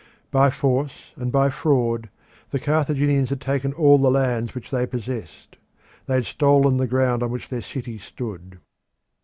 By force and by fraud the Carthaginians had taken all the lands which they possessed; they had stolen the ground on which their city stood.